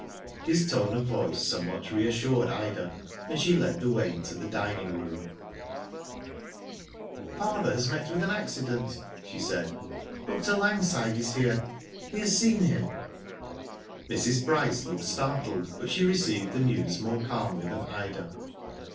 " His tone of voice somewhat reassured Ida, an<^ she led the way into the dining room. Digitized byGoogk NO TRACE. 21 " Father has met with an accident " she said. Dr. Langside is here. He has seen him." Mrs. Bryce looked s'artled; but she received the news more calmly than Ida.